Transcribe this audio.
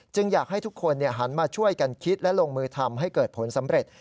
อยากให้ทุกคนหันมาช่วยกันคิดและลงมือทำให้เกิดผลสำเร็จ